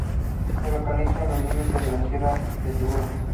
Se localiza en el límite de la Sierra de Segura.